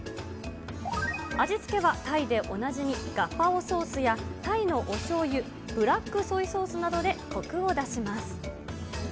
味付けはタイでおなじみ、ガパオソースや、タイのおしょうゆ、ブラックソイソースなどでこくを出します。